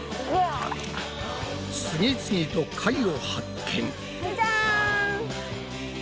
次々と貝を発見！